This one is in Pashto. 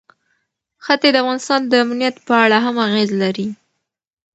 ښتې د افغانستان د امنیت په اړه هم اغېز لري.